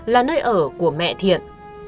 là nơi ở của mẹ thiện